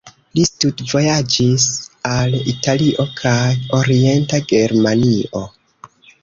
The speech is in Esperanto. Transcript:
Li studvojaĝis al Italio kaj Orienta Germanio.